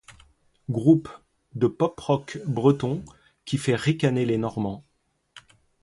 Groupe de pop-rock breton qui fait ricaner les Normands.